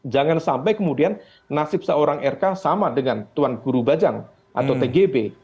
jangan sampai kemudian nasib seorang rk sama dengan tuan guru bajang atau tgb